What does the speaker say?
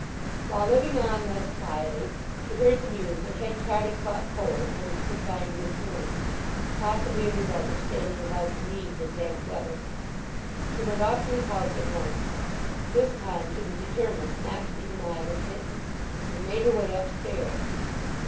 While living on thus quietly she heard the news that Henchard had caught cold and was confined to his room—possibly a result of standing about the meads in damp weather. She went off to his house at once. This time she was determined not to be denied admittance, and made her way upstairs.